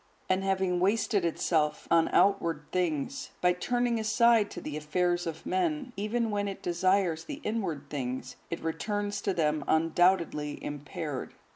And having wasted itself on outward things, by turning aside to the affairs of many men, even when it desires the inward things, it returns to them undoubtedly impaired.